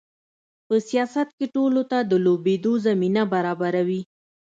په سیاست کې ټولو ته د لوبېدو زمینه برابروي.